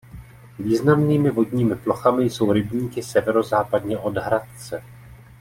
Významnými vodními plochami jsou rybníky severozápadně od Hradce.